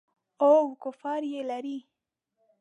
او کفار یې لري.